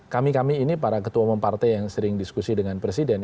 kami kami ini para ketua umum partai yang sering diskusi dengan presiden